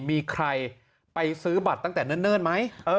มีใครไปซื้อบัตรตั้งแต่เนิ่นไหม